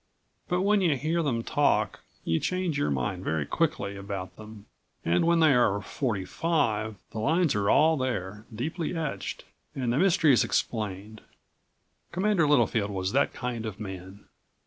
But when you hear them talk you change your mind very quickly about them, and when they are forty five the lines are all there, deeply etched, and the mystery is explained. Commander Littlefield was that kind of man.